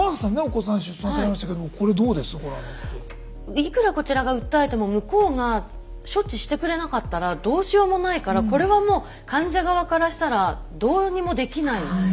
いくらこちらが訴えても向こうが処置してくれなかったらどうしようもないからこれはもう患者側からしたらどうにもできない。